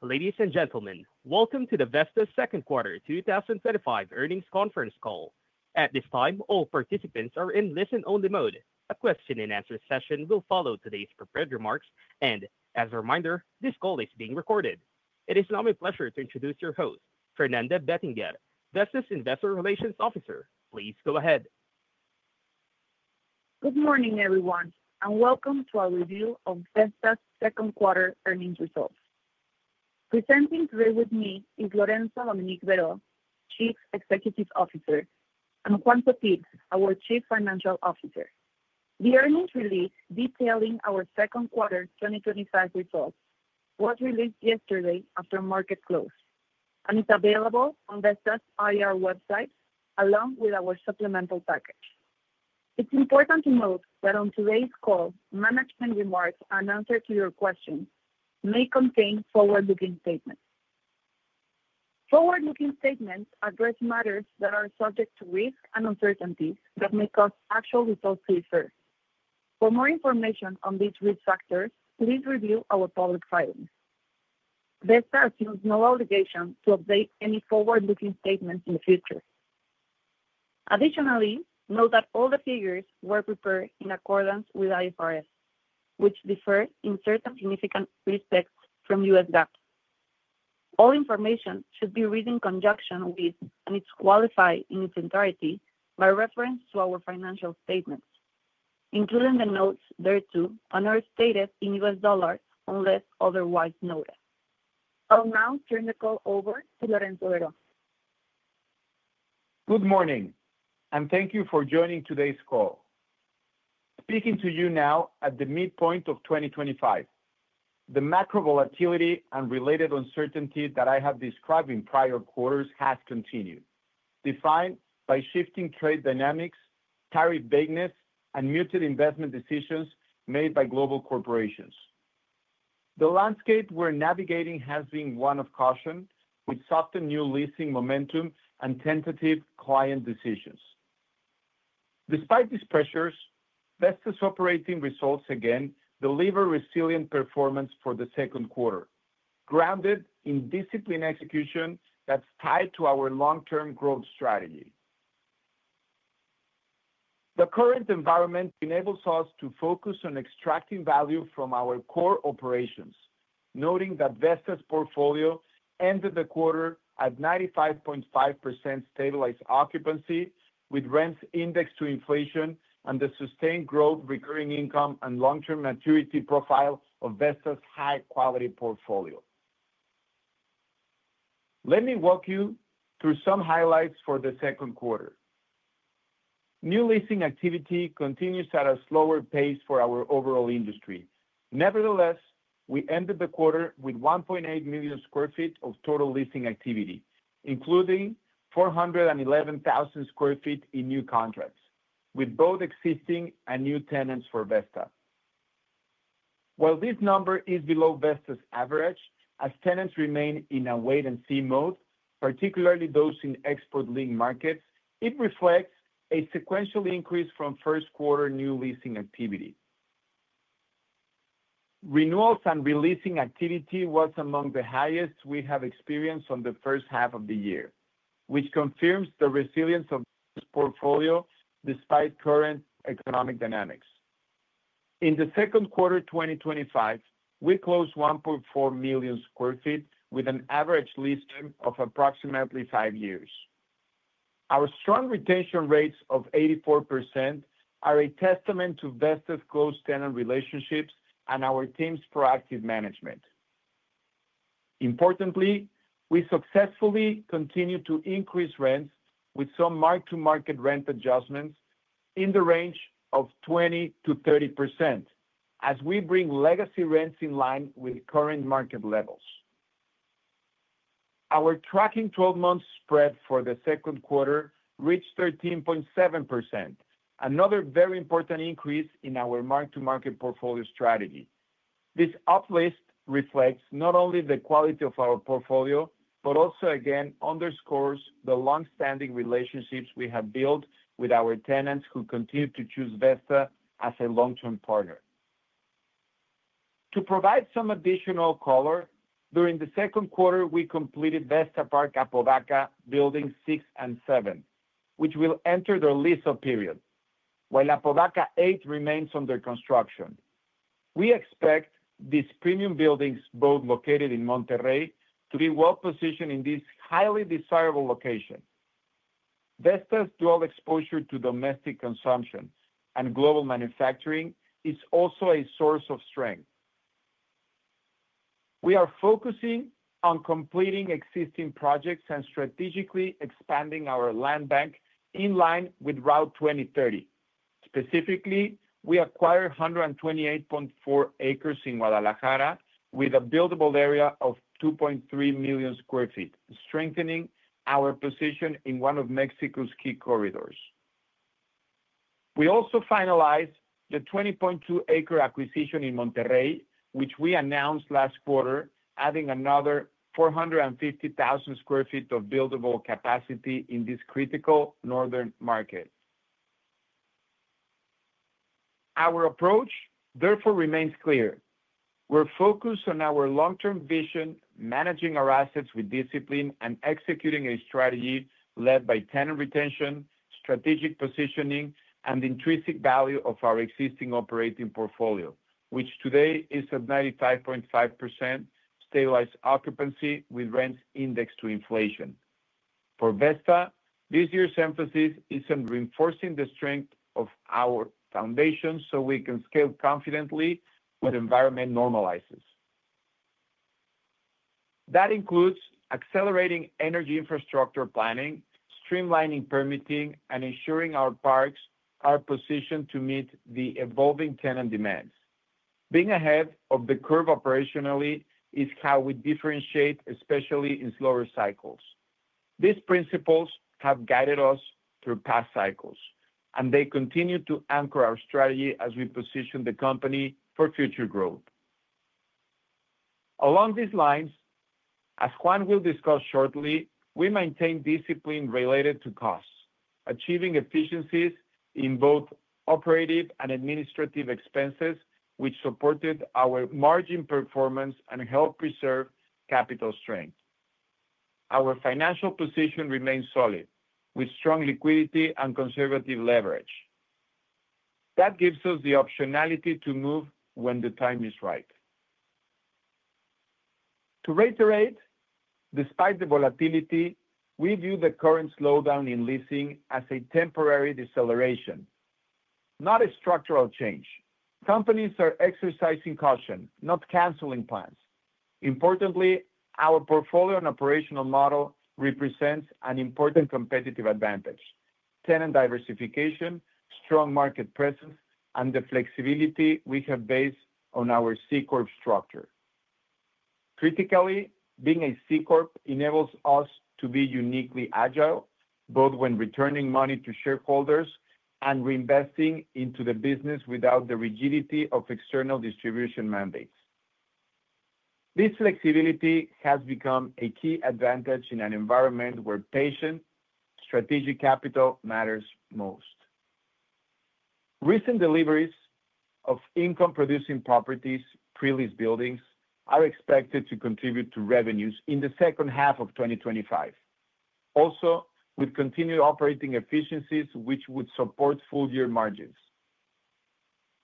Greetings, ladies and gentlemen. Welcome to the Vestas Second Quarter twenty twenty five Earnings Conference Call. At this time, all participants are in listen only mode. A question and answer session will follow today's prepared remarks. And as a reminder, this call is being recorded. It is now my pleasure to introduce your host, Fernanda Bettinger, Vess' Investor Relations Officer. Please go ahead. Good morning, everyone, and welcome to our review of Vess' Second Quarter Earnings Results. Presenting today with me is Lorenzo Dominique Vero, Chief Executive Officer and Juan Pepig, our Chief Financial Officer. The earnings release detailing our second quarter twenty twenty five results was released yesterday after market close and is available on Vestas IR website along with our supplemental package. It's important to note that on today's call, management remarks and answer to your questions may contain forward looking statements. Forward looking statements address matters that are subject to risks and uncertainties that may cause actual results to differ. For more information on these risk factors, please review our public filings. Vesta assumes no obligation to update any forward looking statements in the future. Additionally, note that all the figures were prepared in accordance with IFRS, which differ in certain significant respects from U. S. GAAP. All information should be read in conjunction with and is qualified in its entirety by reference to our financial statements, including the notes thereto and are stated in U. S. Dollars unless otherwise noted. I'll now turn the call over to Lorenzo Herro. Good morning and thank you for joining today's call. Speaking to you now at the midpoint of 2025, the macro volatility and related uncertainty that I have described in prior quarters has continued, defined by shifting trade dynamics, carried vagueness and muted investment decisions made by global corporations. The landscape we're navigating has been one of caution with softened new leasing momentum and tentative client decisions. Despite these pressures, Vestas operating results again deliver resilient performance for the second quarter grounded in disciplined execution that's tied to our long term growth strategy. The current environment enables us to focus on extracting value from our core operations, noting that Vestas portfolio ended the quarter at 95.5% stabilized occupancy with rents indexed to inflation and the sustained growth recurring income and long term maturity profile of Vesta's high quality portfolio. Let me walk you through some highlights for the second quarter. New leasing activity continues at a slower pace for our overall industry. Nevertheless, we ended the quarter with 1,800,000 square feet of total leasing activity, including 411,000 square feet in new contracts with both existing and new tenants for Vesta. While this number is below Vesta's average as tenants remain in a wait and see mode, particularly those in export linked markets, it reflects a sequential increase from first quarter new leasing activity. Renewals and releasing activity was among the highest we have experienced on the first half of the year, which confirms the resilience of this portfolio despite current economic dynamics. In the second quarter twenty twenty five, we closed 1,400,000 square feet with an average lease term of approximately five years. Our strong retention rates of 84% are a testament to best of close tenant relationships and our team's proactive management. Importantly, we successfully continued to increase rents with some mark to market rent adjustments in the range of 20% to 30% as we bring legacy rents in line with current market levels. Our tracking 12 spread for the second quarter reached 13.7%, another very important increase in our mark to market portfolio strategy. This uplift reflects not only the quality of our portfolio, but also again underscores the long standing relationships we have built with our tenants who continue to choose Vesta as a long term partner. To provide some additional color, during the second quarter, we completed Vesta Park Apobaca Buildings 6 And 7, which will enter the lease up period, while Apobaca 8 remains under construction. We expect these premium buildings both located in Monterrey to be well positioned in this highly desirable location. Vestas' dual exposure to domestic consumption and global manufacturing is also a source of strength. We are focusing on completing existing projects and strategically expanding our land bank in line with Route 2030. Specifically, we acquired 128.4 acres in Guadalajara with a buildable area of 2,300,000 square feet, strengthening our position in one of Mexico's key corridors. We also finalized the 20.2 acre acquisition in Monterrey, which we announced last quarter adding another 450,000 square feet of buildable capacity in this critical Northern market. Our approach therefore remains clear. We're focused on our long term vision, managing our assets with discipline and executing a strategy led by tenant retention, strategic positioning and intrinsic value of our existing operating portfolio, which today is at 95.5 stabilized occupancy with rents indexed to inflation. For Vesta, this year's emphasis is on reinforcing the strength of our foundation, so we can scale confidently when environment normalizes. That includes accelerating energy infrastructure planning, streamlining permitting and ensuring our parks are positioned to meet the evolving tenant demands. Being ahead of the curve operationally is how we differentiate especially in slower cycles. These principles have guided us through past cycles and they continue to anchor our strategy as we position the company for future growth. Along these lines, as Juan will discuss shortly, we maintain discipline related to costs, achieving efficiencies in both operative and administrative expenses, which supported our margin performance and help preserve capital strength. Our financial position remains solid with strong liquidity and conservative leverage. That gives us the optionality to move when the time is right. To reiterate, despite the volatility, we view the current slowdown in leasing as a temporary deceleration, not a structural change. Companies are exercising caution, not canceling plans. Importantly, our portfolio and operational model represents an important competitive advantage, tenant diversification, strong market presence and the flexibility we have based on our C Corp structure. Critically, being a C Corp enables us to be uniquely agile, both when returning money to shareholders and reinvesting into the business without the rigidity of external distribution mandates. This flexibility has become a key advantage in an environment where patient strategic capital matters most. Recent deliveries of income producing properties pre leased buildings are expected to contribute to revenues in the second half of twenty twenty five. Also, with continued operating efficiencies, which would support full year margins.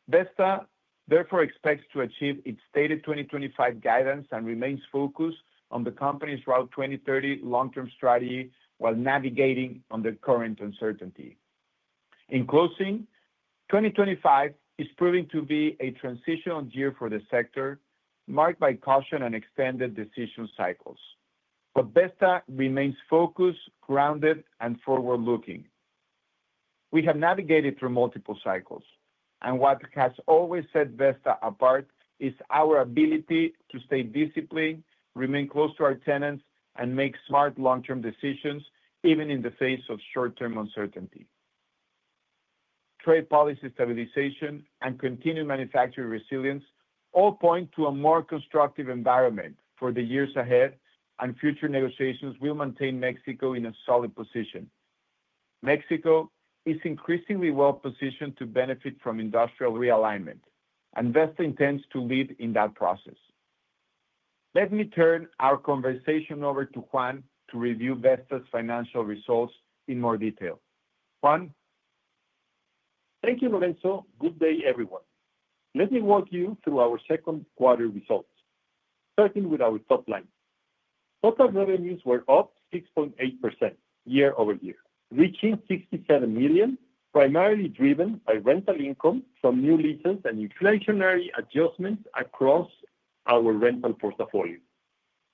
Vesta therefore expects to achieve its stated 2025 guidance and remains focused on the company's Route two thousand thirty long term strategy while navigating on the current uncertainty. In closing, 2025 is proving to be a transitional year for the sector marked by caution and extended decision cycles. But Vesta remains focused, grounded and forward looking. We have navigated through multiple cycles and what has always set Vesta apart is our ability to stay disciplined, remain close to our tenants and make smart long term decisions even in the face of short term uncertainty. Trade policy stabilization and continued manufacturing resilience all point to a more constructive environment for the years ahead and future negotiations will maintain Mexico in a solid position. Mexico is increasingly well positioned to benefit from industrial realignment and Vesta intends to lead in that process. Let me turn our conversation over to Juan to review Vesta's financial results in more detail. Juan? Thank you, Lorenzo. Good day, everyone. Let me walk you through our second quarter results, starting with our top line. Total revenues were up 6.8% year over year, reaching $67,000,000 primarily driven by rental income from new leases and inflationary adjustments across our rental portfolio.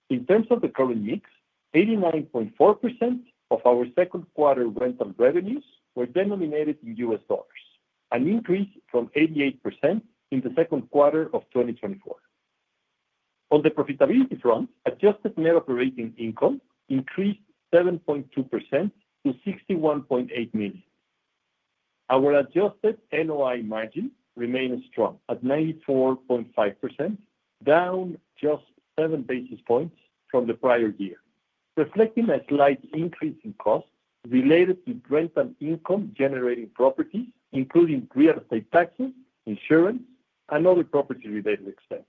In terms of the current mix, 89.4% of our second quarter rental revenues were denominated in U. S. Dollars, an increase from 88% in the second quarter of twenty twenty four. On the profitability front, adjusted net operating income increased 7.2% to €61,800,000 Our adjusted NOI margin remained strong at 94.5%, down just seven basis points from the prior year, reflecting a slight increase in costs related to rent and income generating properties, including real estate taxes, insurance and other property related expense.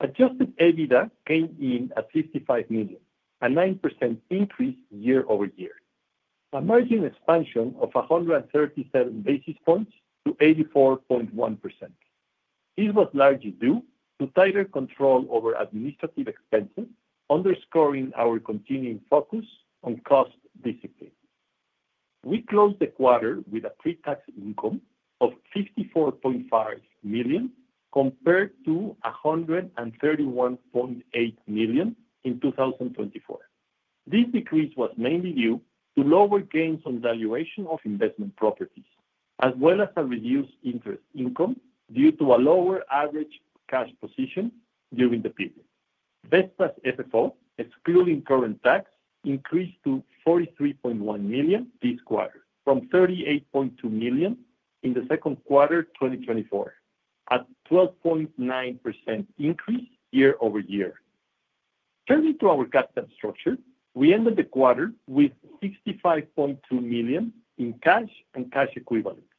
Adjusted EBITDA came in at 55,000,000, a 9% increase year over year, a margin expansion of 137 basis points to 84.1%. This was largely due to tighter control over administrative expenses, underscoring our continuing focus on cost discipline. We closed the quarter with a pretax income of $54,500,000 compared to 131,800,000.0 in 2024. This decrease was mainly due to lower gains on valuation of investment properties as well as a reduced interest income due to a lower average cash position during the period. Vestas FFO, excluding current tax, increased to $43,100,000 this quarter from $38,200,000 in the second quarter twenty twenty four, a 12.9% increase year over year. Turning to our capital structure. We ended the quarter with $65,200,000 in cash and cash equivalents.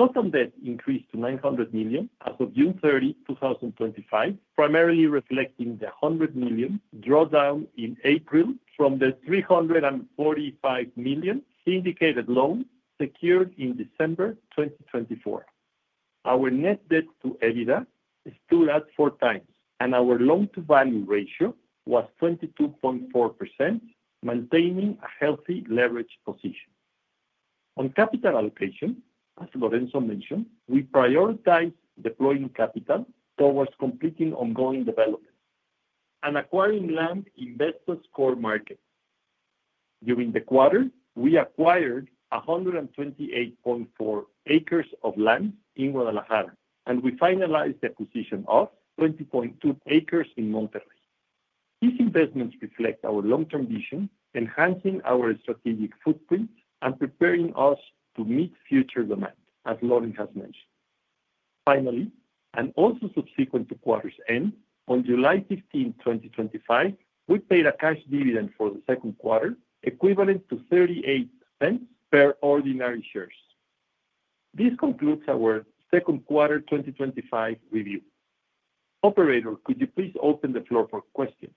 Total debt increased to $900,000,000 as of 06/30/2025, primarily reflecting the €100,000,000 drawdown in April from the €345,000,000 syndicated loan secured in December 2024. Our net debt to EBITDA stood at four times, and our loan to value ratio was 22.4%, maintaining a healthy leverage position. On capital allocation, as Lorenzo mentioned, we prioritized deploying capital towards completing ongoing development and acquiring land in Vestas' core market. During the quarter, we acquired 128.4 acres of land in Guadalajara, and we finalized the acquisition of 20.2 acres in Monterrey. These investments reflect our long term vision, enhancing our strategic footprint and preparing us to meet future demand, as Loren has mentioned. Finally, and also subsequent to quarter's end, on 07/15/2025, we paid a cash dividend for the second quarter equivalent to $0.38 per ordinary shares. This concludes our second quarter twenty twenty five review. Operator, could you please open the floor for questions?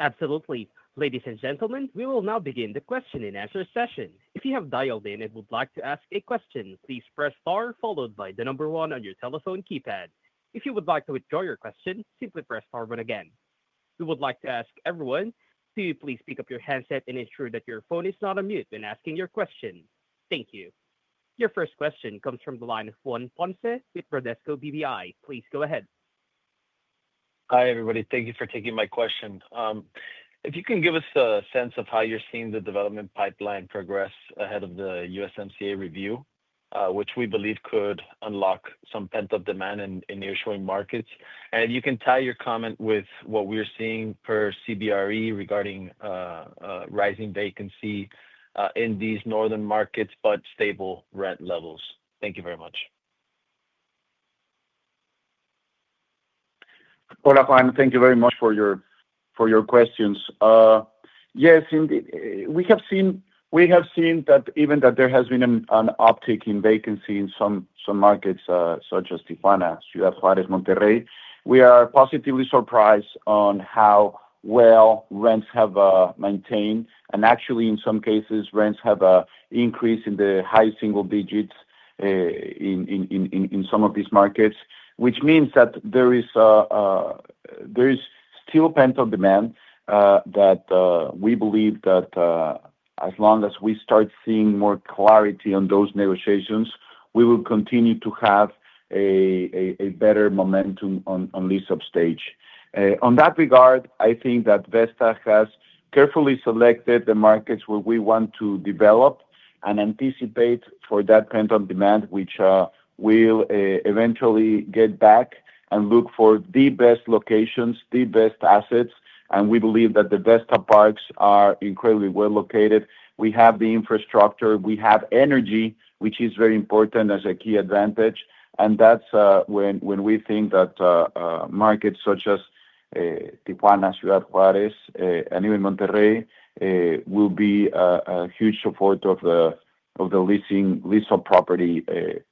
Absolutely. Ladies and gentlemen, we will now begin the question and answer session. Your first question comes from the line of Juan Ponce with Bradesco BBI. Please go ahead. Hi, everybody. Thank you for taking my question. If you can give us a sense of how you're seeing the development pipeline progress ahead of the USMCA review, which we believe could unlock some pent up demand in near showing markets. And you can tie your comment with what we're seeing per CBRE regarding rising vacancy in these northern markets, but stable rent levels? Thank you very much. Olafan, thank you very much for your questions. Yes, we have seen that even that there has been an uptick in vacancy in some markets such as Tijuana, Juarez, Monterrey. We are positively surprised on how well rents have maintained. And actually in some cases rents have increased in the high single digits in some of these markets, which means that there is still pent up demand that we believe that as long as we start seeing more clarity on those negotiations, we will continue to have a better momentum on lease up stage. On that regard, I think that Vesta has carefully selected the markets where we want to develop and anticipate for that pent up demand, which will eventually get back and look for the best locations, the best assets. And we believe that the best of parks are incredibly well located. We have the infrastructure. We have energy, which is very important as a key advantage. And that's when we think that markets such as Tijuana, Ciudad Juarez and even Monterrey will be a huge support of the leasing leasehold property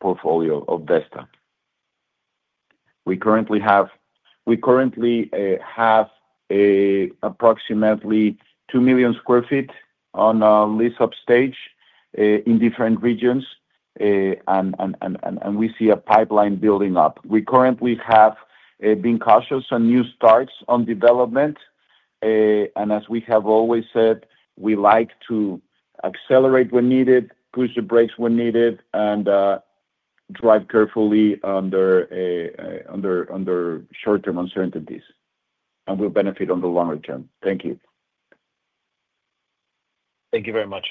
portfolio of Vesta. We currently have approximately 2,000,000 square feet on lease up stage in different regions and we see a pipeline building up. We currently have been cautious on new starts on development. And as we have always said, we like to accelerate when needed, push the brakes when needed and drive carefully under short term uncertainties and will benefit on the longer term. Thank you. Thank you very much.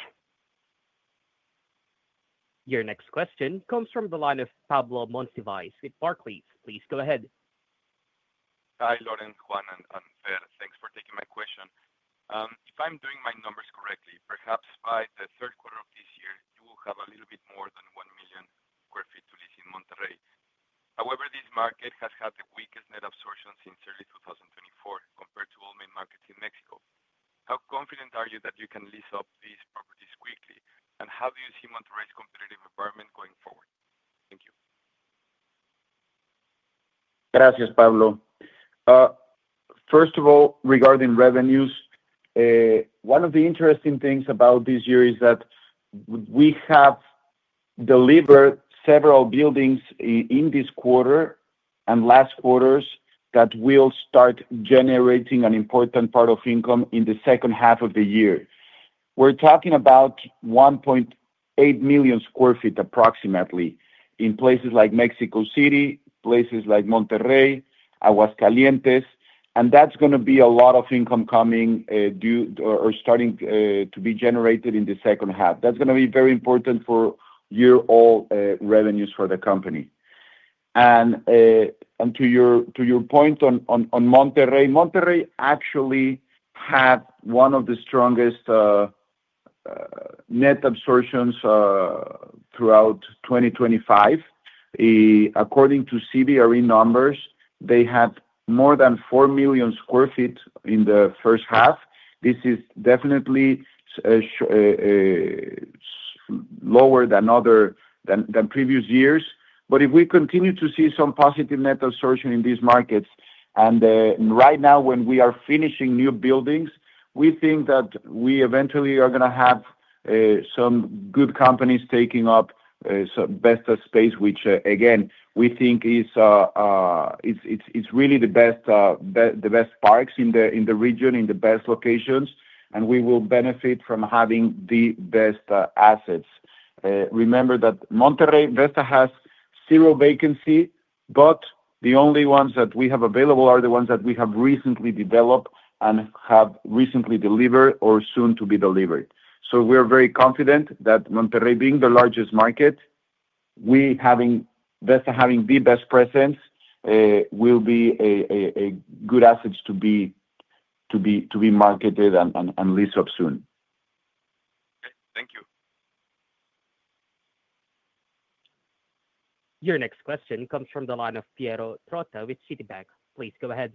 Your next question comes from the line of Pablo Montevijs with Barclays. Please go ahead. Hi, Lauren, Juan and Fer. Thanks for taking my question. If I'm doing my numbers correctly, perhaps by the third quarter of this year, you will have a little bit more than 1,000,000 square feet to lease in Monterrey. However, this market has had the weakest net absorption since early twenty twenty four compared to all main markets in Mexico. How confident are you that you can lease up these quickly? And how do you see Monterrey's competitive environment going forward? Thank you. Gracias, Pablo. First of all, regarding revenues, one of the interesting things about this year is that we have delivered several buildings in this quarter and last quarters that will start generating an important part of income in the second half of the year. We're talking about 1,800,000 square feet approximately in places like Mexico City, places like Monterrey, Aguascalientes and that's going to be a lot of income coming due or starting to be generated in the second half. That's going to be very important for year old revenues for the company. And to your point on Monterrey, Monterrey actually had one of the strongest net absorptions throughout 2025. According to CVRE numbers, they had more than 4,000,000 square feet in the first half. This is definitely lower than other than previous years. But if we continue to see some positive net absorption in these markets and right now when we are finishing new buildings, we think that we eventually are going to have some good companies taking up BESTAS space, which again we think is really the best parks in the region, in the best locations and we will benefit from having the best assets. Remember that Monterrey Vesta has zero vacancy, but the only ones that we have available are the ones that we have recently developed and have recently delivered or soon to be delivered. So we are very confident that Monterrey being the largest market, we having the best presence will be a good assets to be marketed and lease up soon. Thank you. Your next question comes from the line of Piero Trotta with Citibank. Please go ahead.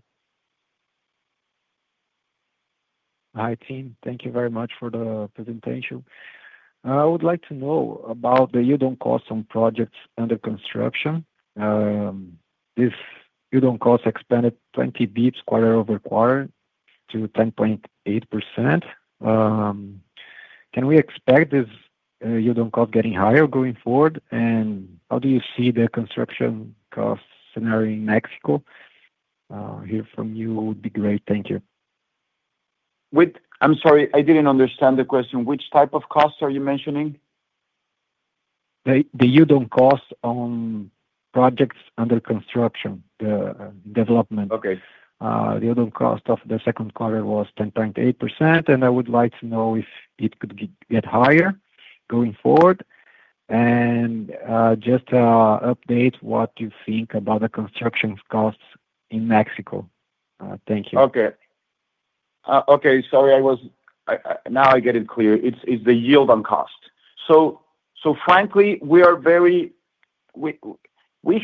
Hi, team. Thank you very much for the presentation. I would like to know about the Udon cost on projects under construction. Udon cost expanded 20 bps quarter over quarter to 10.8%. Can we expect this you don't cost getting higher going forward? And how do you see the construction cost scenario in Mexico? Hear from you would be great. Thank you. I'm sorry, I didn't understand the question. Which type of costs are you mentioning? The Udon cost on projects under construction development. The yield on cost of the second quarter was 10.8%. And I would like to know if it could get higher going forward. And just update what you think about the construction costs in Mexico? Thank you. Okay. Sorry, I was now I get it clear. It's the yield on cost. So frankly, we are very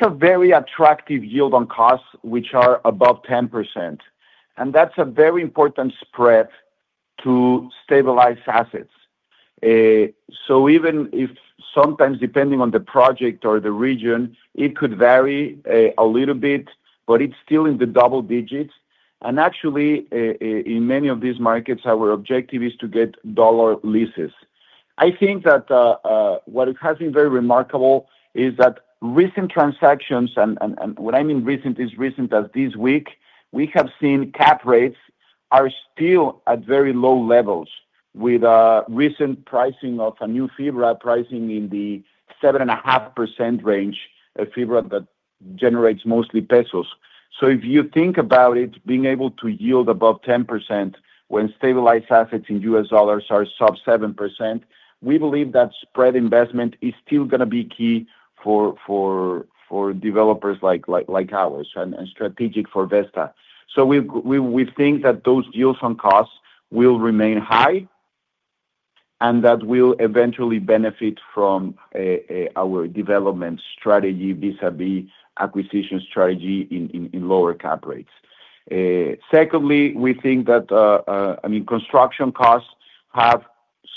have very attractive yield on costs, which are above 10%. And that's a very important spread to stabilize assets. So even if sometimes depending on the project or the region, it could vary a little bit, but it's still in the double digits. And actually in many of these markets, our objective is to get dollar leases. I think that what has been very remarkable is that recent transactions and what I mean recent is recent as this week, we have seen cap rates are still at very low levels with recent pricing of a new fibra pricing in the 7.5% range, a fibra that generates mostly pesos. So if you think about it being able to yield above 10% when stabilized assets in U. S. Dollars are sub 7%, we believe that spread investment is still going to be key for developers like ours and strategic for Vesta. So we think that those deals on costs will remain high and that will eventually benefit from our development strategy vis a vis acquisition strategy in lower cap rates. Secondly, we think that I mean construction costs have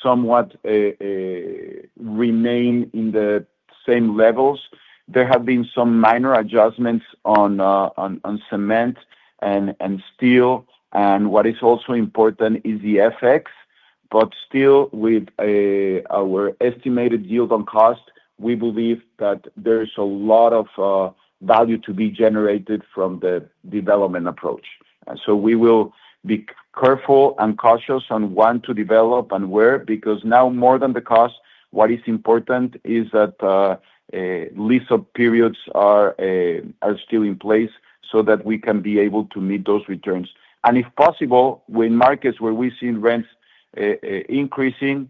somewhat remained in the same levels. There have been some minor adjustments on cement and steel. And what is also important is the FX, but still with our estimated yield on cost, we believe that there is a lot of value to be generated from the development approach. So we will be careful and cautious on when to develop and where because now more than the cost, what is important is that lease up periods are still in place so that we can be able to meet those returns. And if possible, when markets where we've seen rents increasing,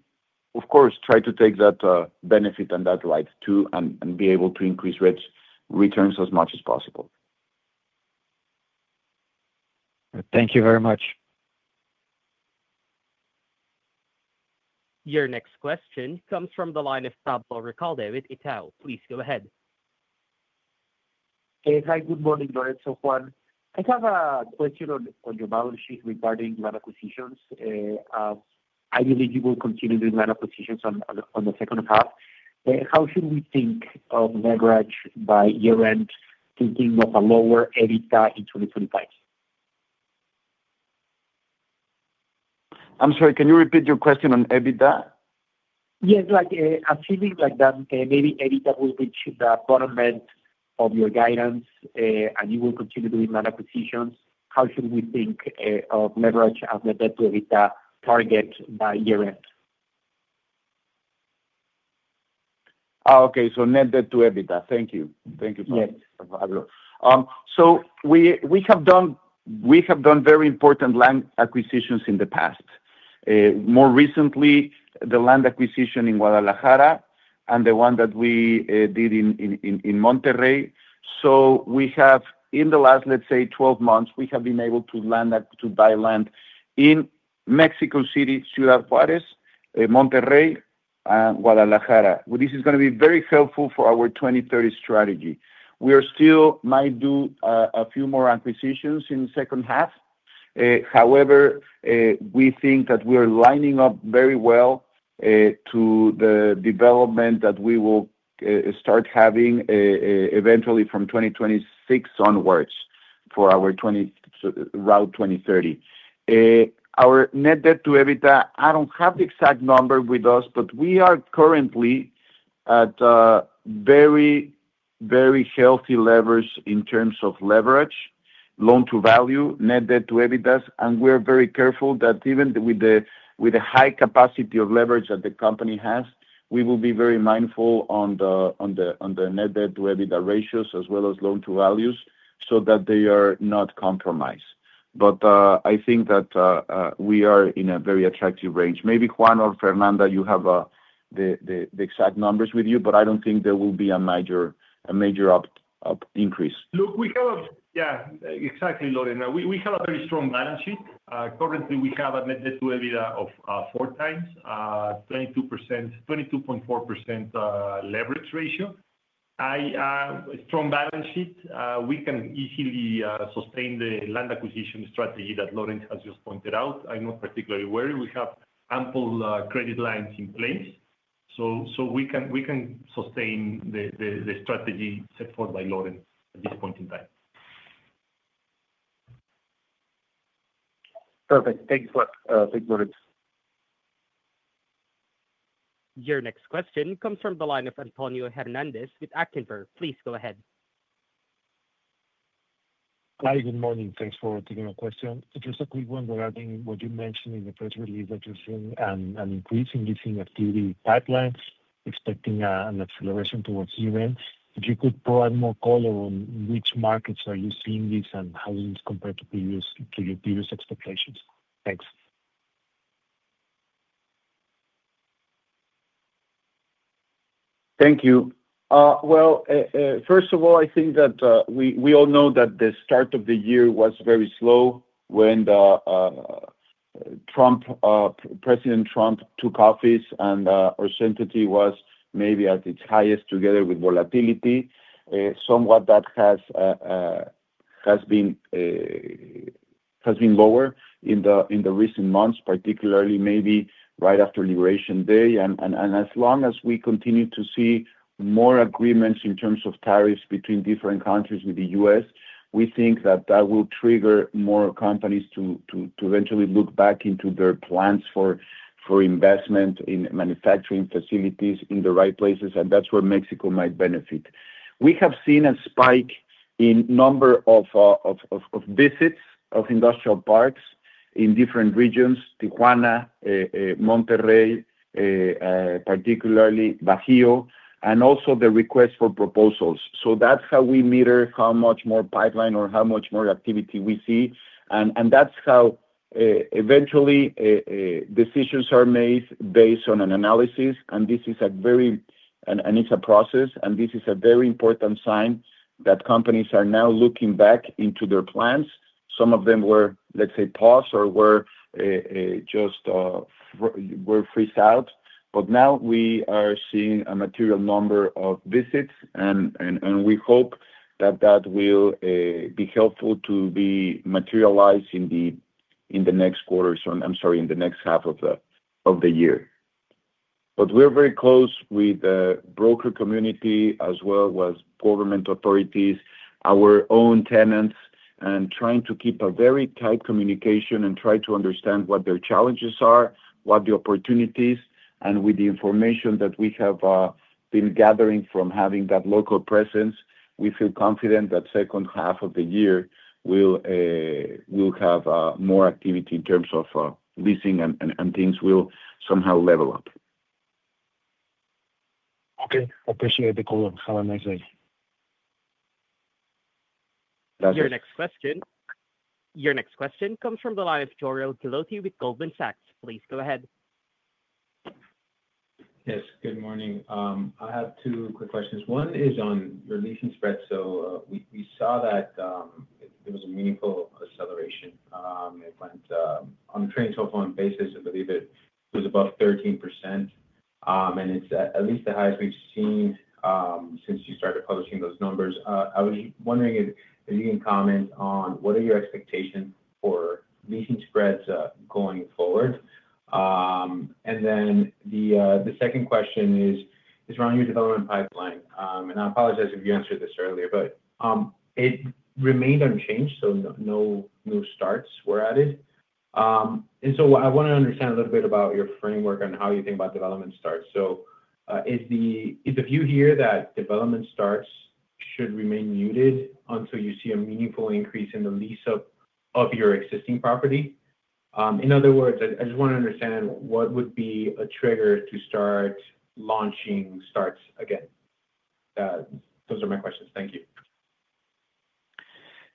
of course, try to take that benefit and that right too and be able to increase rents returns as much as possible. Thank you very much. Your next question comes from the line of Pablo Riccardo with Itau. Please go ahead. Hi, good morning, Loretz and Juan. I have a question on your balance sheet regarding land acquisitions. I believe you will continue doing land acquisitions on the second half. How should we think of leverage by year end thinking of a lower EBITDA in 2025? I'm sorry, can you repeat your question on EBITDA? Yes. Like achieving like that, maybe EBITDA will reach the bottom end of your guidance and you will continue doing that acquisitions, how should we think of leverage as net debt to EBITDA target by year end? Okay. So net debt to EBITDA. Thank you. Thank you, So we have done very important land acquisitions in the past. More recently, the land acquisition in Guadalajara and the one that we did in Monterrey. So we have in the last, let's say, twelve months, we have been able to land to buy land in Mexico City, Ciudad Juarez, Monterrey and Guadalajara. This is going to be very helpful for our 2030 strategy. We are still might do a few more acquisitions in the second half. However, we think that we are lining up very well to the development that we will start having eventually from 2026 onwards for our route 02/1930. Our net debt to EBITDA, I don't have the exact number with us, but we are currently at very, very healthy levers in terms of leverage, loan to value, net debt to EBITDA. And we're very careful that even with the high capacity of leverage that the company has, we will be very mindful on the net debt to EBITDA ratios as well as loan to values, so that they are not compromised. But I think that we are in a very attractive range. Maybe Juan or Fernanda you have the exact numbers with you, but I don't think there will be a major up increase. Look, we have yes, exactly, Loren. We have a very strong balance sheet. Currently, we have a net debt to EBITDA of four times, 2222.4% leverage ratio. I have a strong balance sheet. We can easily sustain the land acquisition strategy that Lorenz has just pointed out. Not particularly worried. We have ample credit lines in place. So we sustain the strategy set forth by Lorenz at this point in time. Perfect. Thanks a lot. Thanks, Verdes. Your next question comes from the line of Antonio Hernandez with Actingver. Please go ahead. Hi, good morning. Thanks for taking my question. Just a quick one regarding what you mentioned in the press release that you're seeing an increase in leasing activity pipelines expecting an acceleration towards year end. If you could provide more color on which markets are you seeing this and how it is compared to previous expectations? Thanks. Thank you. Well, first of all, I think that we all know that the start of the year was very slow when the Trump President Trump took office and our certainty was maybe at its highest together with volatility, somewhat that has been lower in the recent months, particularly maybe right after Liberation Day. And as long as we continue to see more agreements in terms of tariffs between different countries with The U. S, we think that that will trigger more companies to eventually look back into their plans for investment in manufacturing facilities in the right places and that's where Mexico might benefit. We have seen a spike in number of visits of industrial parks in different regions Tijuana, Monterrey, particularly Bajio and also the request for proposals. So that's how we meter how much more pipeline or how much more activity we see. And that's how eventually decisions are made based on an analysis and this is a very and it's a process and this is a very important sign that companies are now looking back into their plans. Some of them were, let's say, paused or were freaked out. But now we are seeing a material number of visits and we hope that, that will be helpful to be materialized in the next quarters I'm sorry, in the next half of the year. But we are very close with the broker community as well as government authorities, our own tenants and trying to keep a very tight communication and try to understand what their challenges are, what the opportunities and with the information that we have been gathering from having that local presence, we feel confident that second half of the year will have more activity in terms of leasing and things will somehow level up. Okay. Appreciate the color. Have a nice day. Your next question comes from the line of Toreal Gilotti with Goldman Sachs. Please go ahead. Yes. Good morning. I have two quick questions. One is on your leasing spreads. So we saw that there was a meaningful acceleration. It went on a trailing twelve month basis, I believe it was above 13%, and it's at least the highest we've seen since you started publishing those numbers. I was wondering if you can comment on what are your expectations for leasing spreads going forward? And then the the second question is is around your development pipeline. And I apologize if you answered this earlier, but it remained unchanged, so no new starts were added. And so I wanna understand a little bit about your framework on how you think about development starts. So is the the view here that development starts should remain muted until you see a meaningful increase in the lease up of your existing property? In other words, I just want to understand what would be a trigger to start launching starts again? Those are my questions. Thank you.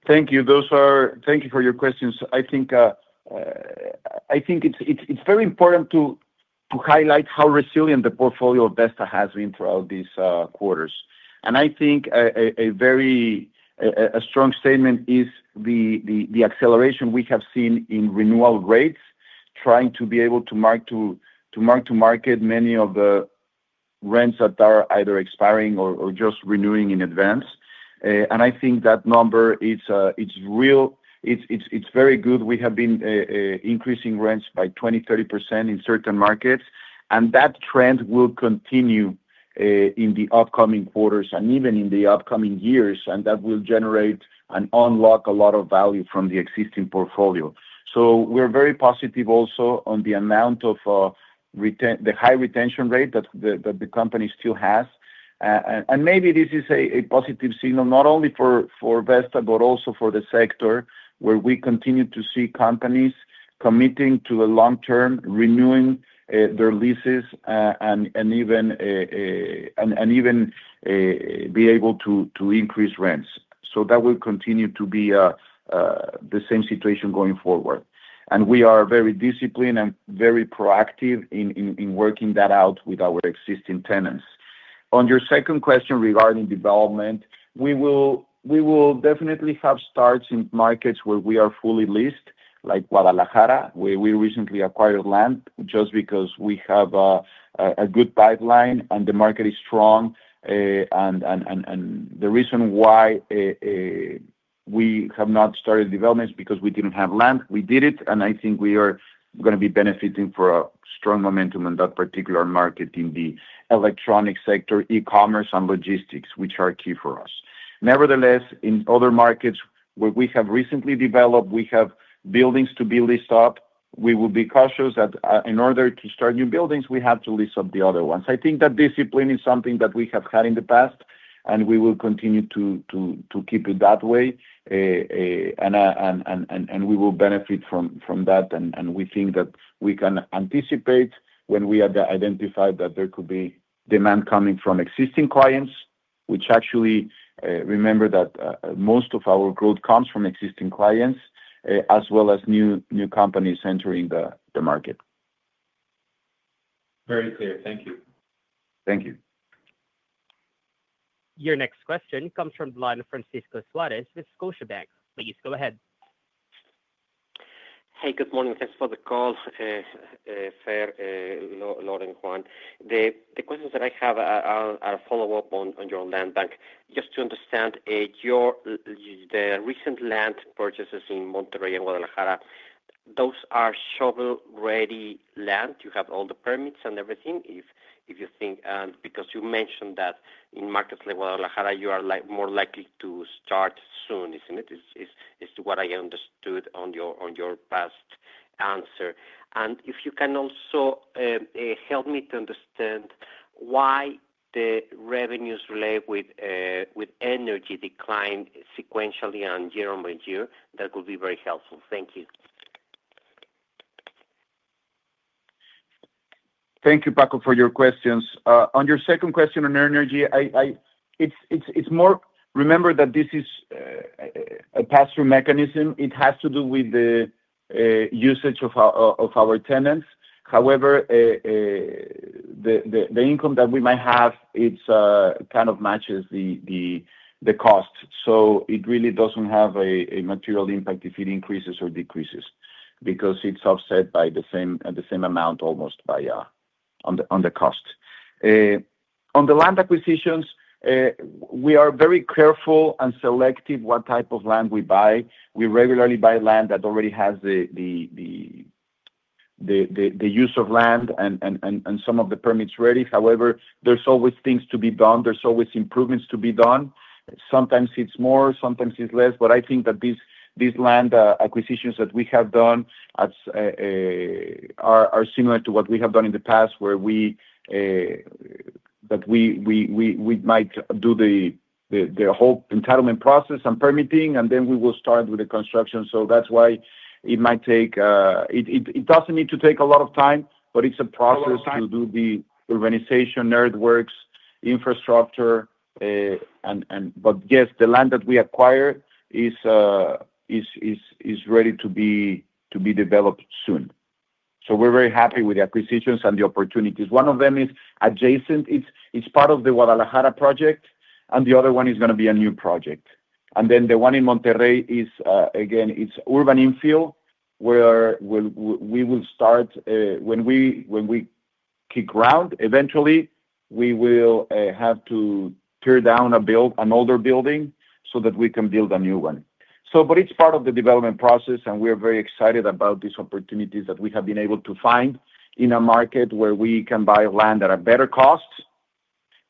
Thank you. Those are thank you for your questions. I think it's very important to highlight how resilient the portfolio of Vesta has been throughout these quarters. And I think a very a strong statement is the acceleration we have seen in renewal rates, trying to be able to mark to market many of the rents that are either expiring or just renewing in advance. And I think that number is real. It's very good. We have been increasing rents by 20%, 30% in certain markets. And that trend will continue in the upcoming quarters and even in the upcoming years and that will generate and unlock a lot of value from the existing portfolio. So we're very positive also on the amount of the high retention rate that the company still has. And maybe this is a positive signal not only for Vesta, but also for the sector where we continue to see companies committing to a long term renewing their leases and even be able to increase rents. So that will continue to be the same situation going forward. And we are very disciplined and very proactive in working that out with our existing tenants. On your second question regarding development, we will definitely have starts in markets where we are fully leased like Guadalajara, where we recently acquired land just because we have a good pipeline and the market is strong. And the reason why we have not started development is because we didn't have land. We did it and I think we are going to be benefiting for a strong momentum in that particular market in the electronic sector, e commerce and logistics, which are key for us. Nevertheless, in other markets where we have recently developed, we have buildings to be leased up. We will be cautious that in order to start new buildings, we have to lease up the other ones. I think that discipline is something that we have had in the past and we will continue to keep it that way and we will benefit from that. And we think that we can anticipate when we have identified that there could be demand coming from existing clients, which actually remember that most of our growth comes from existing clients as well as new companies entering the market. Very clear. Thank you. Thank you. Your next question comes from the line of Francisco Suarez with Scotiabank. Please go ahead. Hey, good morning. Thanks for the call. Loren and Juan. The questions that I have are follow-up on your land bank. Just to understand, your the recent land purchases in Monterrey and Guadalajara, those are shovel ready land. You have all the permits and everything. If you think because you mentioned that in markets like Guadalajara, you are more likely to start soon, isn't it, is to what I understood on your past answer. And if you can also help me to understand why the revenues related with energy declined sequentially and year on year, That will be very helpful. Thank you. Thank you, Paco, for your questions. On your second question on energy, I it's more remember that this is a pass through mechanism. It has to do with the usage of our tenants. However, income that we might have, it's kind of matches the cost. So it really doesn't have a material impact if it increases or decreases, because it's offset by the same amount almost by on the cost. On the land acquisitions, we are very careful and selective what type of land we buy. We regularly buy land that already has the use of land and some of the permits ready. However, there's always things to be done. There's always improvements to be done. Sometimes it's more, sometimes it's less. But I think that these land acquisitions that we have done are similar to what we have done in the past where we that we might do the whole entitlement process and permitting and then we will start with the construction. So that's why it might take it doesn't need to take a lot of time, but it's a process to do the organization, earthworks, infrastructure and but yes, the land that we acquired is ready to be developed soon. So we're very happy with the acquisitions and the opportunities. One of them is adjacent. It's part of the Guadalajara project and the other one is going to be a new project. And then the one in Monterrey is again, it's urban infill where we will start when we kick ground eventually, we will have to tear down a build an older building so that we can build a new one. So but it's part of the development process and we are very excited about these opportunities that we have been able to find in a market where we can buy land at a better cost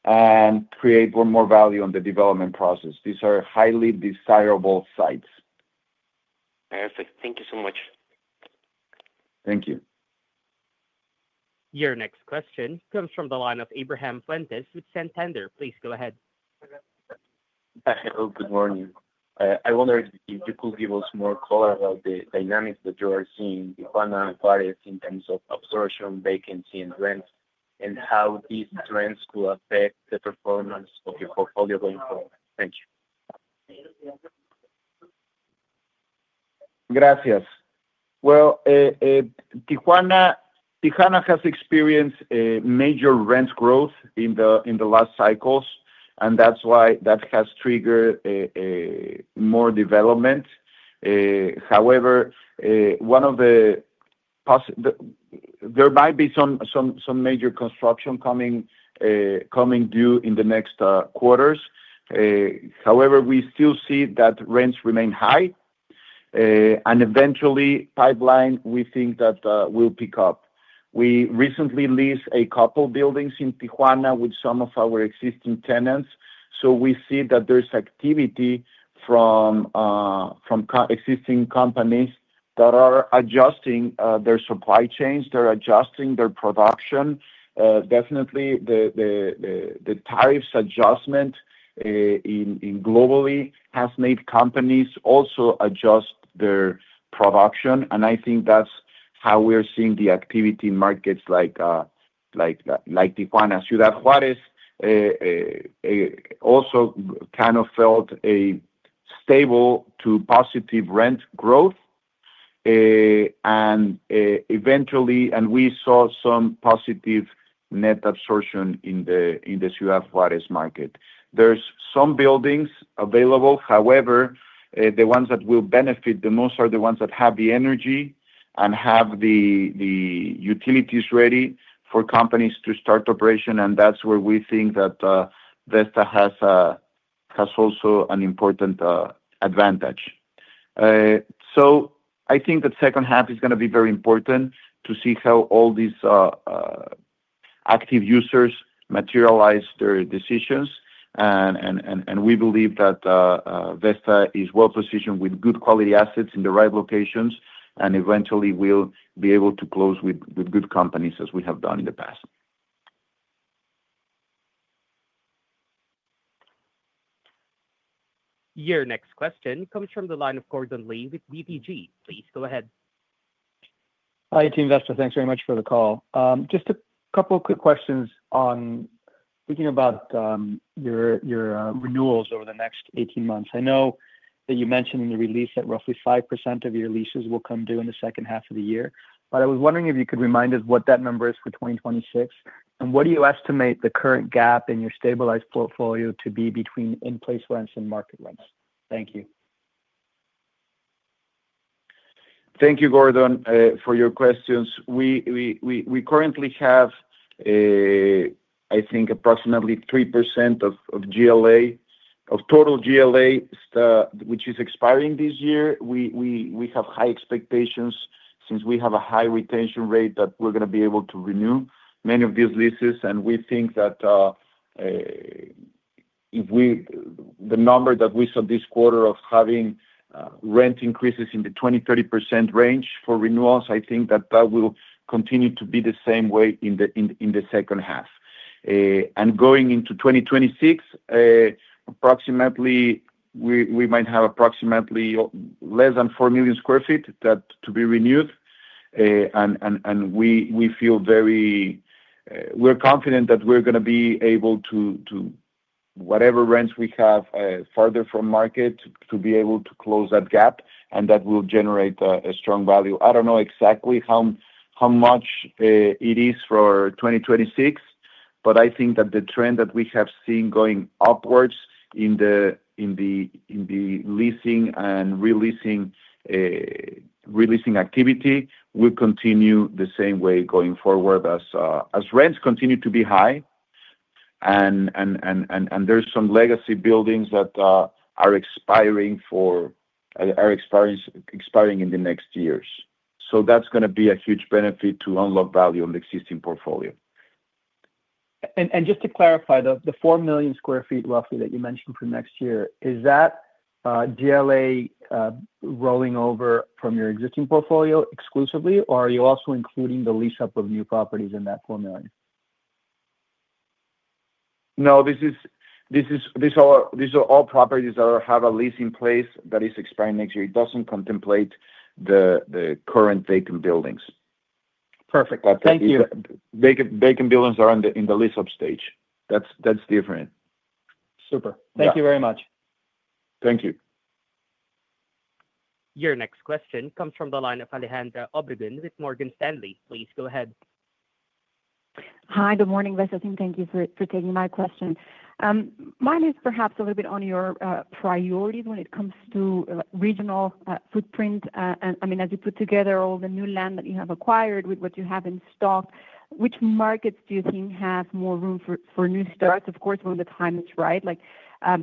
and create more value on the development process. These are highly desirable sites. Perfect. Thank you so much. Thank you. Your next question comes from the line of Ebrahim Puentes with Santander. Please go ahead. Good morning. I wonder if you could give us more color about the dynamics that you are seeing in final part in terms of absorption, vacancy and rents and how these trends could affect the performance of your portfolio going forward? Thank you. Gracias. Well, Tijuana Tijuana has experienced a major rent growth in the last cycles and that's why that has triggered more development. However, one of the there might be some major construction coming due in the next quarters. However, we still see that rents remain high. And eventually pipeline we think that will pick up. We recently leased a couple of buildings in Tijuana with some of our existing tenants. So we see that there's activity from existing companies that are adjusting their supply chains, they're adjusting their production. Definitely the tariffs adjustment globally has made companies also adjust their production. And I think that's how we're seeing the activity in markets like Tijuana. Ciudad Juarez also kind of felt a stable to positive rent growth. And eventually and we saw some positive net absorption in the Ciudad Juarez market. There's some buildings available. However, the ones that will benefit the most are the ones that have the energy and have the utilities ready for companies to start operation. And that's where we think that Vesta has also an important advantage. So I think that second half is going to be very important to see how all these active users materialize their decisions. And we believe that Vesta is well positioned with good quality assets in the right locations and eventually will be able to close with good companies as we have done in the past. Your next question comes from the line of Gordon Lee with BPG. Please go ahead. Hi, team. That's a thanks very much for the call. Just a couple of quick questions on thinking about, your renewals over the next eighteen months. I know that you mentioned in the release that roughly 5% of your leases will come due in the second half of the year. But I was wondering if you could remind us what that number is for 2026? And what do you estimate the current gap in your stabilized portfolio to be between in place rents and market rents? Thank you. Thank you, Gordon for your questions. We currently have, I think approximately 3% of GLA of total GLA, which is expiring this year. We have high expectations since we have a high retention rate that we're going to be able to renew many of these leases. And we think that if we the number that we saw this quarter of having rent increases in the 20%, 30% range for renewals, think that that will continue to be the same way in the second half. And going into 2026, approximately we might have approximately less than 4,000,000 square feet that to be renewed. And we feel very we're confident that we're going to be able to whatever rents we have further from market to be able to close that gap and that will generate a strong value. I don't know exactly how much it is for 2026, But I think that the trend that we have seen going upwards in the leasing and releasing activity will continue the same way going forward. Rents continue to be high And there's some legacy buildings that are expiring for are expiring in the next years. So that's going to be a huge benefit to unlock value on the existing portfolio. And just to clarify, the 4,000,000 square feet roughly that you mentioned for next year, is that GLA rolling over from your existing portfolio exclusively? Or are you also including the lease up of new properties in that 4,000,000? No, this is these are all properties that have a lease in place that is expiring next year. It doesn't contemplate the current vacant buildings. Perfect. Vacant Thank buildings are in the lease up stage. That's different. Super. Thank you very much. Thank you. Your next question comes from the line of Alejandra Obregon with Morgan Stanley. Please go ahead. Hi, good morning, Wes and team. Thank you for taking my question. Mine is perhaps a little bit on your priorities when it comes to regional footprint. I mean, as you put together all the new land that you have acquired with what you have in stock, which markets do you think have more room for new starts? Of course, when the time is right, like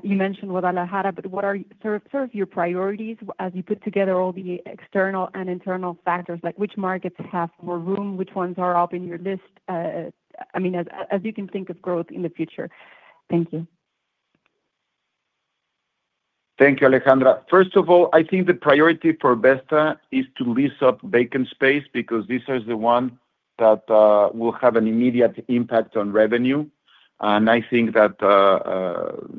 you mentioned Guadalajara, but what are sort of your priorities as you put together all the external and internal factors like which markets have more room, which ones are up in your list, I mean, you can think of growth in the future? Thank you. Thank you, Alejandra. First of all, I think the priority for Vesta is to lease up vacant space because this is the one that will have an immediate impact on revenue. And I think that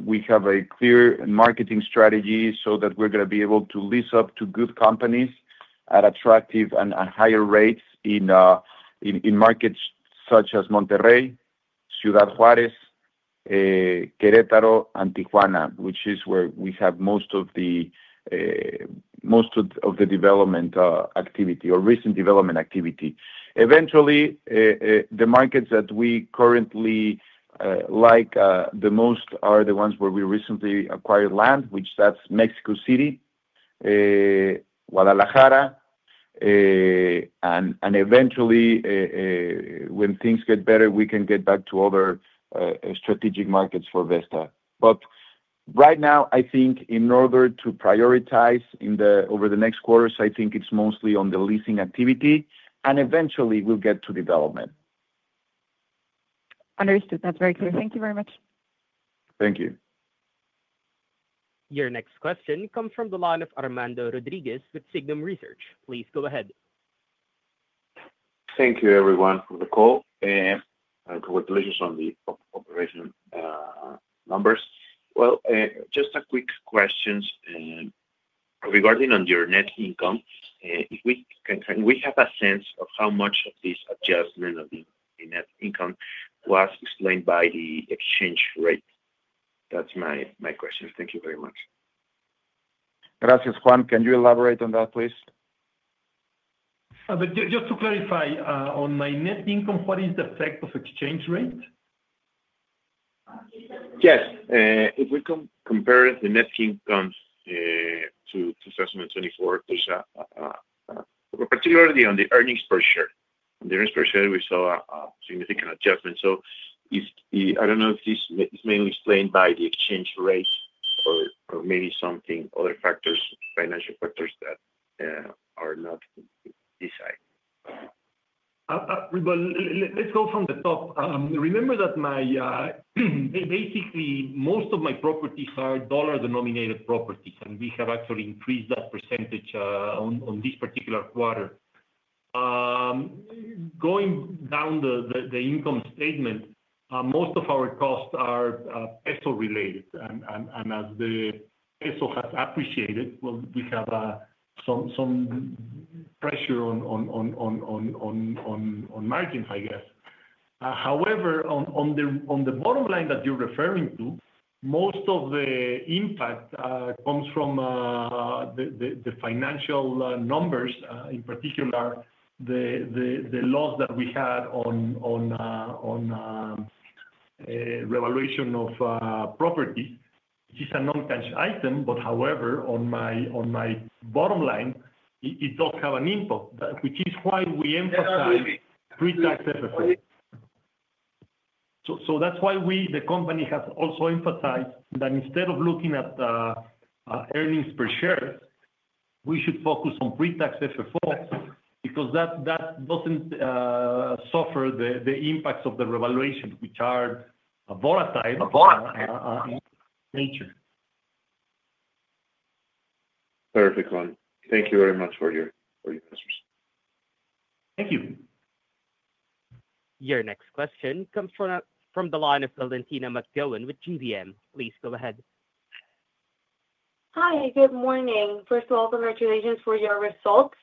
we have a clear marketing strategy so that we're going to be able to lease up to good companies at attractive and higher rates in markets such as Monterrey, Ciudad Juarez, Queretaro and Tijuana, which is where we have most of the development activity or recent development activity. Eventually, the markets that we currently like the most are the ones where we recently acquired land, which that's Mexico City, Guadalajara and eventually when things get better, we can get back to other strategic markets for Vesta. But right now, I think in order to prioritize in the over the next quarters, I think it's mostly on the leasing activity and eventually we'll get to development. Understood. That's very clear. Thank you very much. Thank you. Your next question comes from the line of Armando Rodriguez with Signum Research. Please go ahead. Thank you everyone for the call. Congratulations on the operational numbers. Well, just a quick question regarding on your net income. If we can we have a sense of how much of this adjustment of the net income was explained by the exchange rate? That's my question. Thank you very much. Gracias Juan, can you elaborate on that, please? Just to clarify, on my net income, what is the effect of exchange rate? Yes. If we compare the net income to 2024, there's a particularly on the earnings per share. On the earnings per share, we saw a significant adjustment. So I don't know if this is mainly explained by the exchange rate or maybe something other factors, financial factors that are not decided. Well, let's go from the top. Remember that my basically, most of my properties are dollar denominated properties, and we have actually increased that percentage on this particular quarter. Going down the income statement, most of our costs are peso related. And as the peso has appreciated, we have some pressure on margins, I guess. However, on the bottom line that you're referring to, most of the impact comes from the financial numbers, in particular, the loss that we had on revaluation of property, which is a noncash item. But however, on my bottom line, it does have an impact, which is why we emphasize pretax FFO. So that's why we, the company, have also emphasized that instead of looking at earnings per share, we should focus on pretax FFO because that doesn't suffer the impacts of the revaluation, which are volatile Juan. Thank you very much for your answers. Thank you. Your next question comes from the line of Valentina MacKillan with GBM. Please go ahead. Hi, good morning. First of all, congratulations for your results.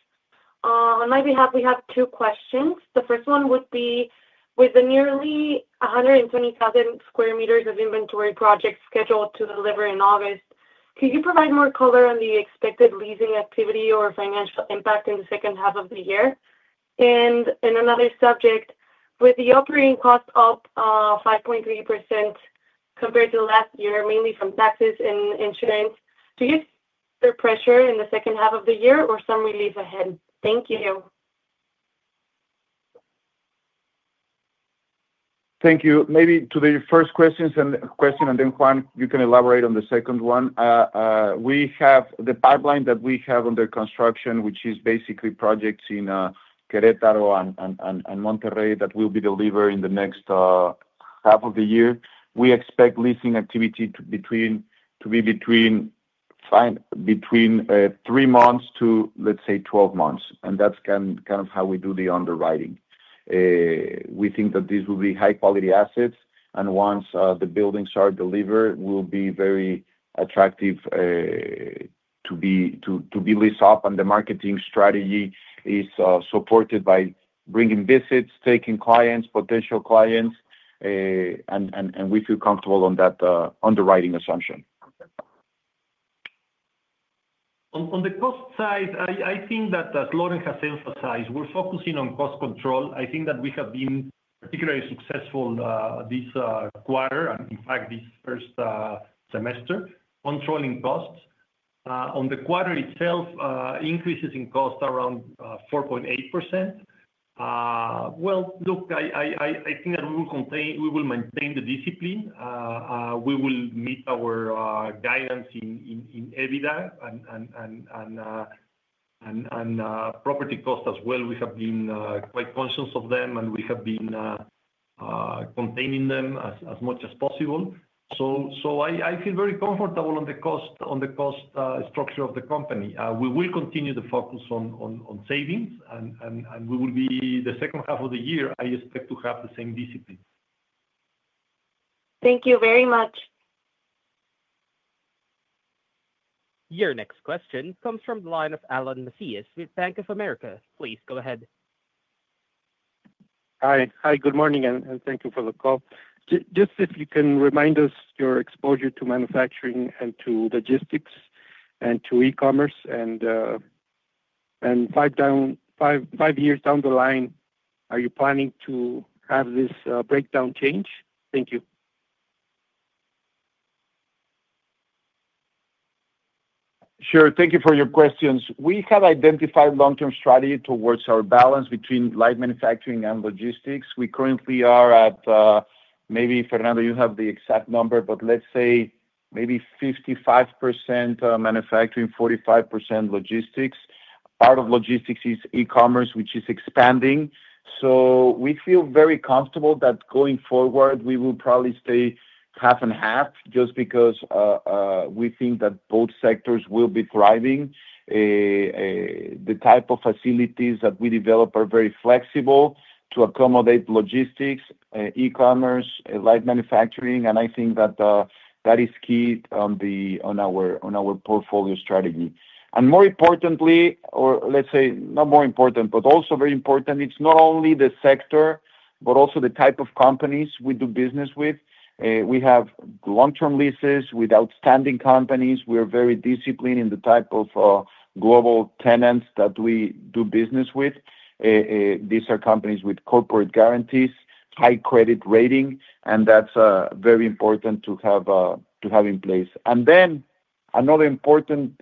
On my behalf, we have two questions. The first one would be with the nearly 120,000 square meters of inventory project scheduled to deliver in August, could you provide more color on the expected leasing activity or financial impact in the second half of the year? And in another subject, with the operating cost up 5.3% compared to last year, mainly from taxes and insurance, do you see the pressure in the second half of the year or some relief ahead? Thank you. Thank you. Maybe to the first question and then Juan, you can elaborate on the second one. We have the pipeline that we have under construction, which is basically projects in Queretaro and Monterrey that will be delivered in the next half of the year. We expect leasing activity to be between three months to let's say twelve months. And that's kind of how we do the underwriting. We think that these will be high quality assets. And once the buildings are delivered, we'll be very attractive to be leased up. And the marketing strategy is supported by bringing visits, taking clients, potential clients and we feel comfortable on that underwriting assumption. On the cost side, I think that as Loren has emphasized, we're focusing on cost control. I think that we have been particularly successful this quarter and in fact this first semester controlling costs. On the quarter itself, increases in costs around 4.8%. Well, look, think that we will maintain the discipline. We will meet our guidance in EBITDA and property cost as well. We have been quite conscious of them and we have been containing them as much as possible. So I feel very comfortable structure on the of the company. We will continue to focus on savings and we will be the second half of the year, I expect to have the same discipline. Thank you very much. Your next question comes from the line of Alan Masihs with Bank of America. Please go ahead. Hi, good morning and thank you for the call. Just if you can remind us your exposure to manufacturing and to logistics and to e commerce? And five years down the line, are you planning to have this breakdown change? Thank you. Sure. Thank you for your questions. We have identified long term strategy towards our balance between light manufacturing and logistics. We currently are at maybe Fernando, you have the exact number, but let's say maybe 55% manufacturing, 45% logistics. Part of logistics is e commerce, which is expanding. So we feel very comfortable that going forward, we will probably stay half and half just because we think that both sectors will be thriving. The type of facilities that we develop are very flexible to accommodate logistics, e commerce, light manufacturing. And I think that is key on our portfolio strategy. And more importantly or let's say, not more important, but also very important, it's not only the sector, but also the type of companies we do business with. We have long term leases with outstanding companies. We are very disciplined in the type of global tenants that we do business with. These are companies with corporate guarantees, high credit rating and that's very important to have in place. And then another important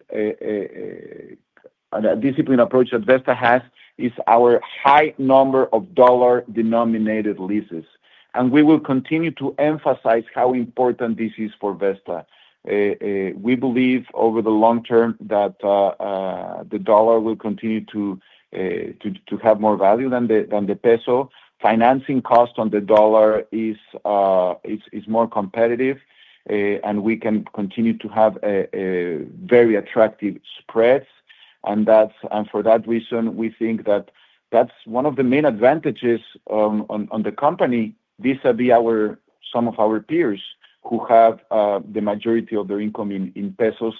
disciplined approach that Vesta has is our high number of dollar denominated leases. And we will continue to emphasize how important this is for Vesta. We believe over the long term that the dollar will continue to have more value than the peso. Financing cost on the dollar is more competitive and we can continue to have a very attractive spreads. And that's and for that reason, we think that that's one of the main advantages on the company vis a vis our some of our peers who have the majority of their income in pesos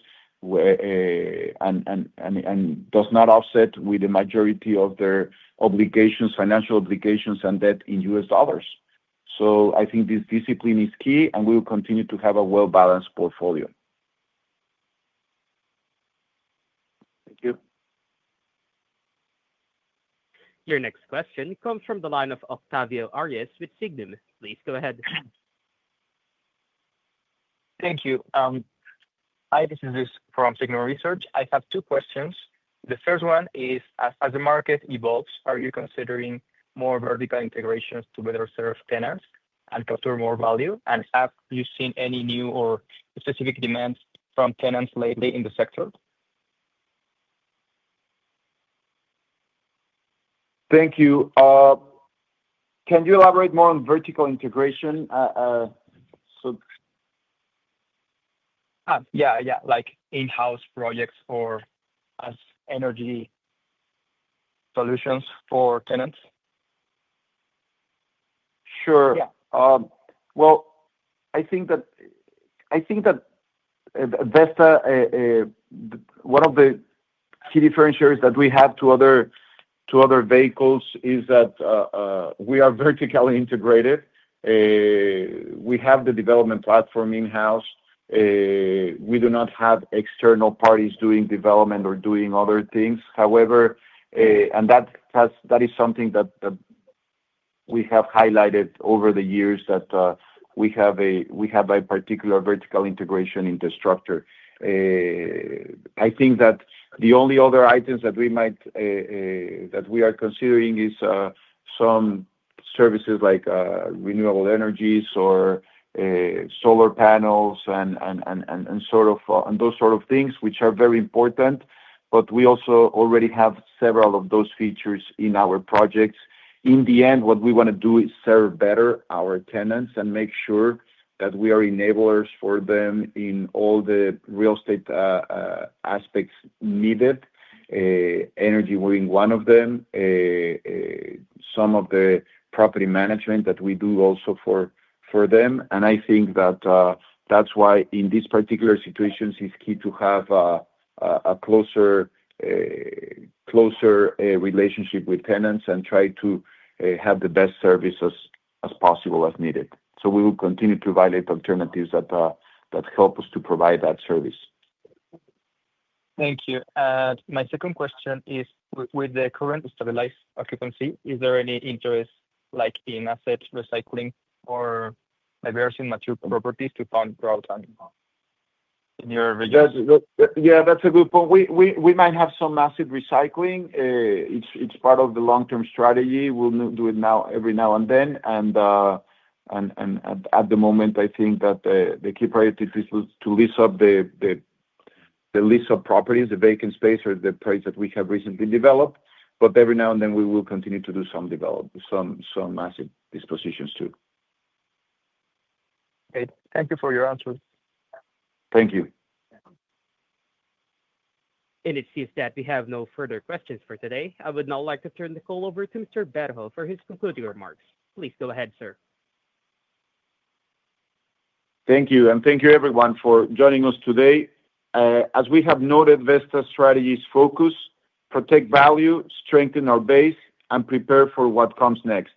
and does not offset with the majority of their obligations financial obligations and debt in U. S. Dollars. So I think this discipline is key and we will continue to have a well balanced portfolio. Thank you. Your next question comes from the line of Octavio Arias with Signum. Please go ahead. Thank you. Hi, this is Luis from Signum Research. I have two questions. The first one is, as the market evolves, are you considering more vertical integrations to better serve tenants and capture more value? And have you seen any new or specific demands from tenants lately in the sector? Thank you. Can you elaborate more on vertical integration? Yeah. Yeah. Like in house projects or Us energy solutions for tenants. Sure. Yeah. Well, I think that I think that Vesta, one of the key differentiators that we have to other vehicles is that we are vertically integrated. We have the development platform in house. We do external parties doing development or doing other things. However, and that is something that we have highlighted over the years that we have a particular vertical integration in the structure. I think that the only other items that we might that we are considering is some services like renewable energies or solar panels and sort of and those sort of things, which are very important. But we also already have several of those features in our projects. In the end, what we want to do is serve better our tenants and make sure that we are enablers for them in all the real estate aspects needed. Energy, we're in one of them. Some of the property management that we do also for them. And I think that that's why in this particular situation, it's key to have a closer relationship with tenants and try to have the best services as possible as needed. So we will continue to violate alternatives that help us to provide that service. Thank you. My second question is with the current stabilized occupancy, is there any interest like in asset recycling or diversity material properties to fund growth in your region? Yeah. That's a good point. We might have some massive recycling. It's part of the long term strategy. We'll do it now every now and then. And at the moment, I think that the key priority is to lease up the lease up properties, the vacant space or the price that we have recently developed. But every now and then, we will continue to do some develop some massive dispositions too. Great. Thank you for your answers. Thank you. And it seems that we have no further questions for today. I would now like to turn the call over to Mr. Berho for his concluding remarks. Please go ahead, sir. Thank you, and thank you, everyone, for joining us today. As we have noted, Vesta's strategy is focus, protect value, strengthen our base and prepare for what comes next.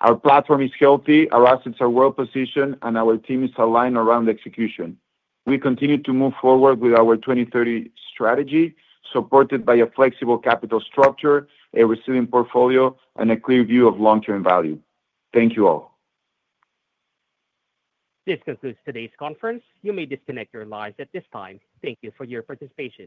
Our platform is healthy, our assets are well positioned and our team is aligned around execution. We continue to move forward with our 2030 strategy supported by a flexible capital structure, a resilient portfolio and a clear view of long term value. Thank you all. This concludes today's conference. You may disconnect your lines at this time. Thank you for your participation.